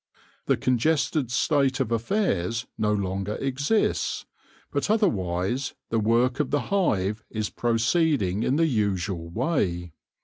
The congested state of affairs no longer exists, but otherwise the work of the hive is proceeding in the usual way.